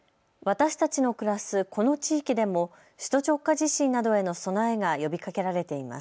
私たちの暮らすこの地域でも首都直下地震などへの備えが呼びかけられています。